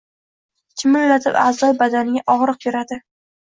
Chimillatib a’zoyi badaniga og‘riq berardi.